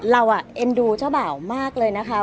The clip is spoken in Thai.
เอ็นดูเจ้าบ่าวมากเลยนะคะ